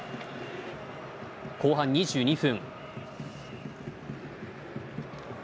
後半２２分。